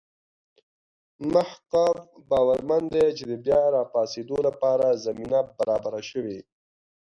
مح ق باورمن دی چې د بیا راپاڅېدو لپاره زمینه برابره شوې.